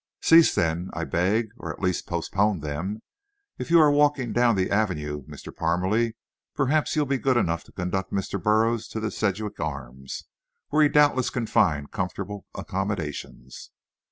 "Cease then, I beg, or at least postpone them. If you are walking down the avenue, Mr. Parmalee, perhaps you'll be good enough to conduct Mr. Burroughs to the Sedgwick Arms, where he doubtless can find comfortable accommodations."